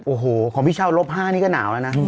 โอ้โหของพี่เช่าลบ๕นี่ก็หนาวแล้วนะ